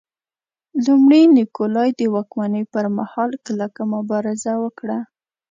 لومړي نیکولای د واکمنۍ پرمهال کلکه مبارزه وکړه.